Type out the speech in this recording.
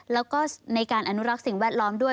แล้วก็ในการอนุรักษ์สิ่งแวดล้อมด้วย